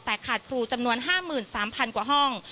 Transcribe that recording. แต่ขาดครูจำนวน๕๓๐๐๐กว่าห้อง